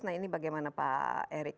nah ini bagaimana pak erik